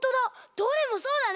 どれもそうだね。